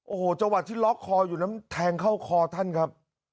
โอ้โหจังหวัดที่ล็อกคออยู่นั้นแทงเข้าคอท่านครับ